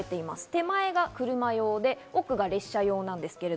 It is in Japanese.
手前が車用で奥が列車用なんです。